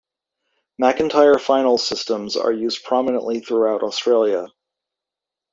McIntyre finals systems are used prominently throughout Australia.